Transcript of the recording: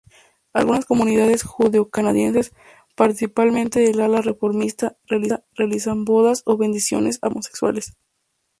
Algunas comunidades judeo-canadienses, principalmente del ala reformista, realizan bodas o "bendiciones" a parejas homosexuales.